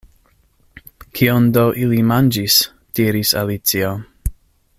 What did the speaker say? "Kion do ili manĝis?" diris Alicio.